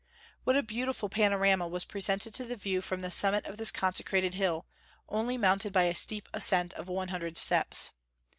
What a beautiful panorama was presented to the view from the summit of this consecrated hill, only mounted by a steep ascent of one hundred steps!